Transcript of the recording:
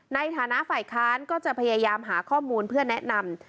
ในฐานะฝ่ายค้านก็จะพยายามหาข้อมูลเพื่อแนะนำ